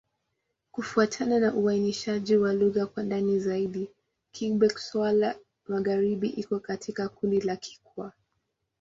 Kufuatana na uainishaji wa lugha kwa ndani zaidi, Kigbe-Xwla-Magharibi iko katika kundi la Kikwa.